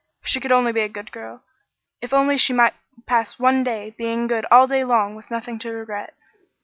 If she could only be a good girl! If only she might pass one day being good all day long with nothing to regret!